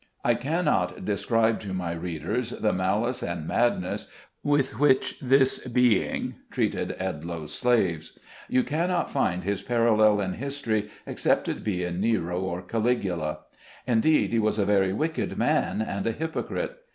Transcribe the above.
I can not describe to my readers the malice and madness with which this being treated Edloe's slaves. You cannot find his parallel in history, . except it be in Nero or Caligula. Indeed, he was a very wicked man, and a hypocrite.